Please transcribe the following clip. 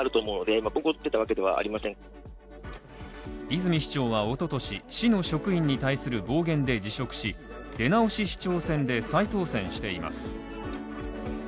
泉市長は一昨年、市の職員に対する暴言で辞職し、出直し市長選で再当選しています